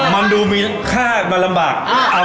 มันดูมีค่ามันลำบาก